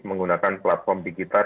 menggunakan platform digital